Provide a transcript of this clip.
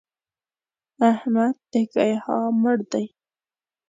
احمد د کيها مړ دی!